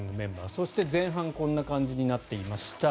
そして前半こんな感じになっていました。